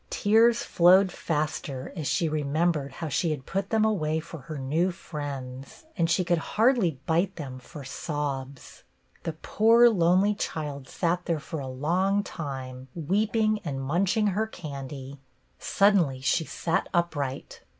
Tears flowed faster as she remembered how she had put them away for her new friends ; and she could hardly bite them for sobs. The poor lonely child sat there for a UNEXPECTED WELCOME 6i long time, weeping and munching her candy. Suddenly she sat upright.